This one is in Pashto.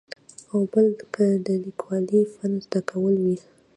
او بل که د لیکوالۍ فن زده کول وي.